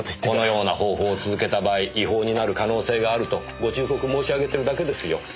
このような方法を続けた場合違法になる可能性があるとご忠告申し上げてるだけですよ。